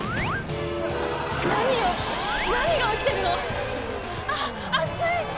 何よ何が起きてるの⁉ああっ！